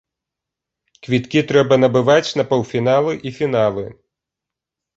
Квіткі трэба набываць на паўфіналы і фіналы.